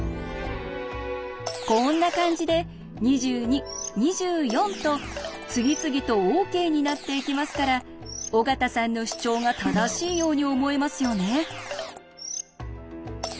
こんな感じで２２２４と次々とＯＫになっていきますから尾形さんの主張が正しいように思えますよね。